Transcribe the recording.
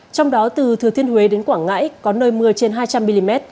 trong đó từ thừa thiên huế đến quảng ngãi có nơi mưa trên hai trăm linh mm